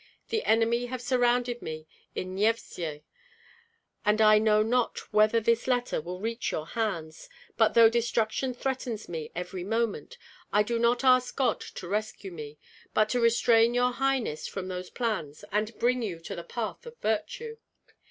The enemy have surrounded me in Nyesvyej, and I know not whether this letter will reach your hands; but though destruction threatens me every moment, I do not ask God to rescue me, but to restrain your highness from those plans and bring you to the path of virtue.